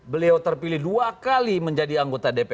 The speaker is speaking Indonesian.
beliau terpilih dua kali menjadi anggota dpr